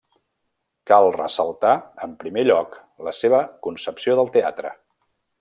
Cal ressaltar, en primer lloc, la seva concepció del teatre.